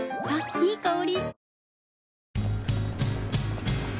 いい香り。